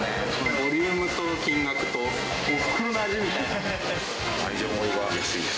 ボリュームと金額と、おふくろの味みたいな。